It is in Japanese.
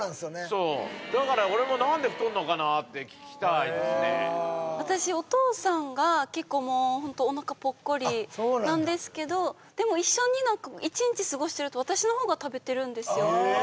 そうだから俺も私お父さんが結構もうホントおなかぽっこりなんですけどでも一緒に一日過ごしてると私の方が食べてるんですよ